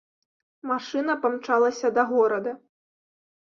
Машына памчалася да горада.